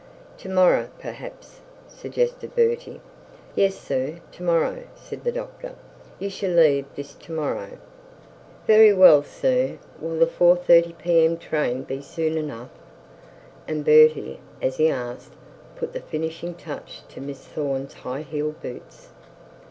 'To morrow perhaps,' suggested Bertie. 'Yes sir, to morrow,' said the doctor. 'You shall leave this to morrow.' 'Very well, sir. Will the 4.30 P.M. train be soon enough?' said Bertie, as he asked, put the finishing touch to Miss Thorne's high heeled boots.